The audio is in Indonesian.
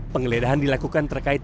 pengeledahan dilakukan terkait